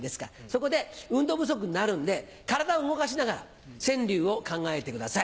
そこで運動不足になるんで体を動かしながら川柳を考えてください。